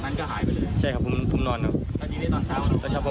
วันนี้มีกันล่าสุดเรียนประมาณ๒๘นาที